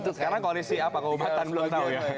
sekarang koalisi apa keobatan belum tahu ya